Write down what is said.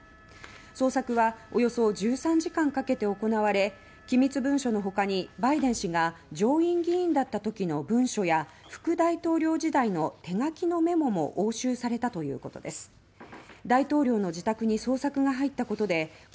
捜索はおよそ１３時間かけて行われ機密文書の他にバイデン氏が上院議員だったときの文書や副大統領時代の手書きのメモも押収されたということです。